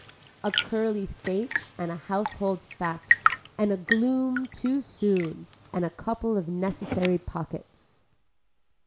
A curly fate and a household fact and a gloom too soon, and a couple of necessary pockets.